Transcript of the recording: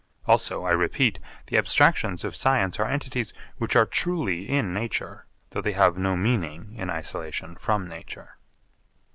Also I repeat, the abstractions of science are entities which are truly in nature, though they have no meaning in isolation from nature.